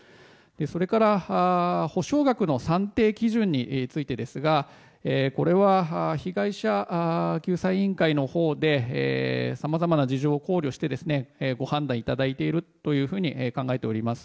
それから、補償額の算定基準についてですがこれは被害者救済委員会のほうでさまざまな事情を考慮してご判断いただいていると考えております。